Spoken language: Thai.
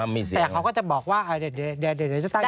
แต่เขาก็จะบอกว่าเดี๋ยวจะตั้ง